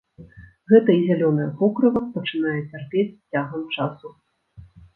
Гэта і зялёнае покрыва пачынае цярпець з цягам часу.